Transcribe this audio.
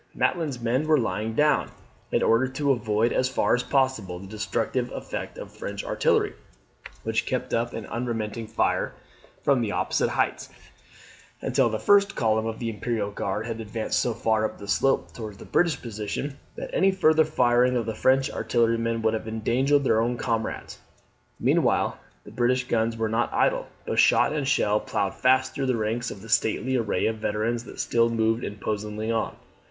Maitland's men were lying down, in order to avoid as far as possible the destructive effect of the French artillery, which kept up an unremitting fire from the opposite heights, until the first column of the Imperial Guard had advanced so far up the slope towards the British position, that any further firing of the French artillerymen would have endangered their own comrades. Meanwhile the British guns were not idle; but shot and shell ploughed fast through the ranks of the stately array of veterans that still moved imposingly on.